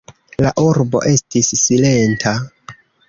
La urbo estis silenta.